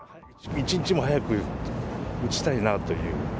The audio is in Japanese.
１日も早く打ちたいなという。